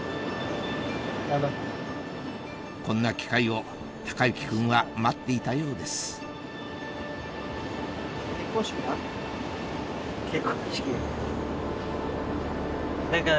こんな機会を孝之君は待っていたようです何か。